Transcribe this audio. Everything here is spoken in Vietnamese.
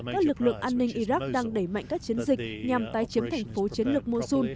các lực lượng an ninh iraq đang đẩy mạnh các chiến dịch nhằm tái chiếm thành phố chiến lược mosun